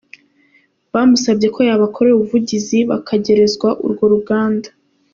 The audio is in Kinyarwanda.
Bamusabye ko yabakorera ubuvugizi bakegerezwa urwo ruganda.